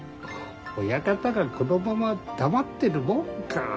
親方がこのまま黙ってるもんか。